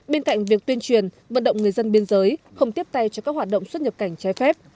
bên cạnh việc tuyên truyền vận động người dân biên giới không tiếp tay cho các hoạt động xuất nhập cảnh trái phép